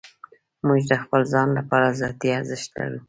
موږ د خپل ځان لپاره ذاتي ارزښت لرو.